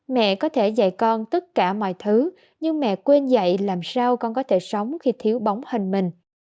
mẹ có thể dạy con tất cả mọi thứ nhưng mẹ quên dạy làm sao con có thể sống khi thiếu bóng hành mình